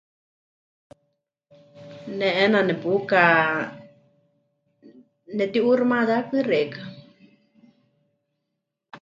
Ne 'eena nepuka nemɨti'uuximayákɨ xeikɨ́a.